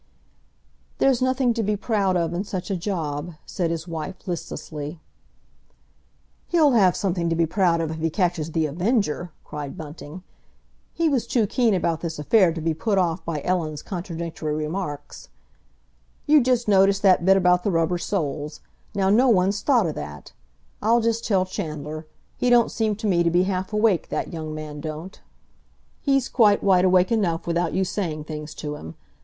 "There's nothing to be proud of in such a job," said his wife listlessly. "He'll have something to be proud of if he catches The Avenger!" cried Bunting. He was too keen about this affair to be put off by Ellen's contradictory remarks. "You just notice that bit about the rubber soles. Now, no one's thought o' that. I'll just tell Chandler—he don't seem to me to be half awake, that young man don't." "He's quite wide awake enough without you saying things to him!